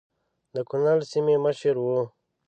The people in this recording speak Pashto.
د کنړ د سیمې مشر وو.